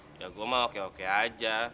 banyak ya gue mah oke oke aja